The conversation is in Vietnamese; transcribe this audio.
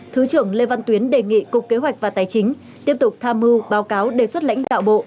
thứ trưởng lê văn tuyến đề nghị cục kế hoạch và tài chính tiếp tục tham mưu báo cáo đề xuất lãnh đạo bộ